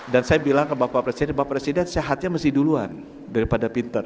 dan saya bilang ke bapak presiden bapak presiden sehatnya mesti duluan daripada pinter